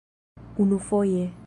unufoje